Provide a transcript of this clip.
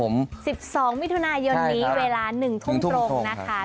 ๑๒มิถุนายนนี้เวลา๑ทุ่มตรงนะคะ